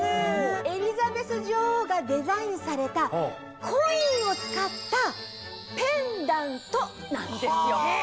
エリザベス女王がデザインされたコインを使ったペンダントなんですよ。